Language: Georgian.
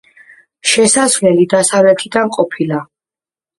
შესასვლელი დასავლეთიდან ყოფილა.